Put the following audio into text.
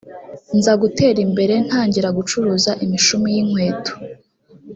nza gutera imbere ntangira gucuruza imishumi y’inkweto